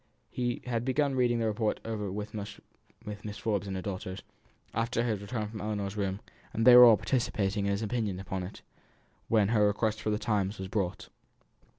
He had been reading the report over with Mrs. Forbes and her daughters, after his return from Ellinor's room, and they were all participating in his opinion upon it, when her request for the Times was brought.